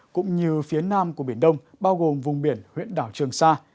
cũng như phía nam của biển đông bao gồm vùng biển huyện đảo trường sa